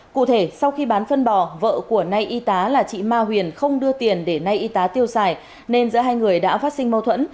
cụ thể sau khi bán phân bò vợ của nay y tá là chị ma huyền không đưa tiền để nay y tá tiêu xài nên giữa hai người đã phát sinh mâu thuẫn